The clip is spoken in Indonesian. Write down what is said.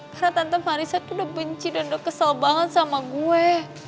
karena tante marissa tuh udah benci dan udah kesel banget sama gue